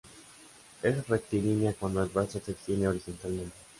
Es rectilínea cuando el brazo se extiende horizontalmente.